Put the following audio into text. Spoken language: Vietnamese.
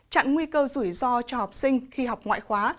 chặn nguy cơ rủi ro cho học sinh khi học ngoại khóa